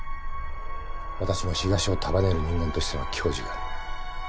私も東を束ねる人間としての矜持がある。